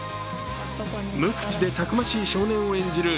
無口でたくましい少年を演じる